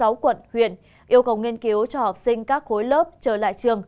ở hai mươi sáu quận huyện yêu cầu nghiên cứu cho học sinh các khối lớp trở lại trường